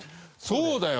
そうだよ。